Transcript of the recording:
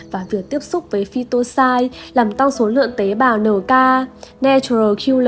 và việc tiếp xúc với phytoxai làm tăng số lượng tế bào nk